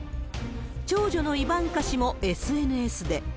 長女のイバンカ氏もＳＮＳで。